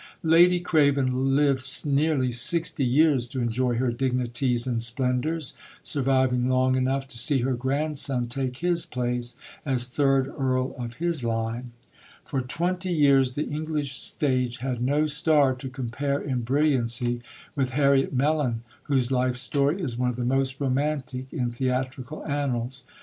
Lady Craven lived nearly sixty years to enjoy her dignities and splendours, surviving long enough to see her grandson take his place as third Earl of his line. [Illustration: HARRIET, DUCHESS OF ST ALBANS] For twenty years the English stage had no star to compare in brilliancy with Harriet Mellon, whose life story is one of the most romantic in theatrical annals.